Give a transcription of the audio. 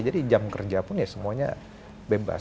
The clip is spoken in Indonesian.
jadi jam kerja pun ya semuanya bebas